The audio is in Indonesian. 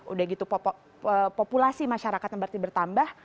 udah gitu populasi masyarakat yang berarti bertambah